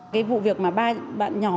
cái vụ việc mà ba bạn nhỏ